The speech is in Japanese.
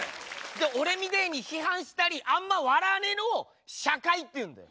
俺みてえに批判したりあんま笑わねえのを社会っていうんだよ。